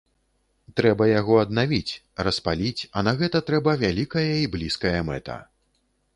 Трэба яго аднавіць, распаліць, а на гэта трэба вялікая і блізкая мэта.